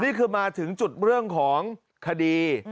นี่คือมาถึงจุดเรื่องของคดี